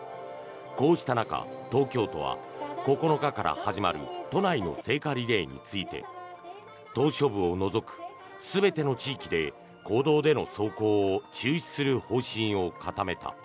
こうした中、東京都は９日から始まる都内の聖火リレーについて島しょ部を除く全ての地域で公道での走行を中止する方針を固めた。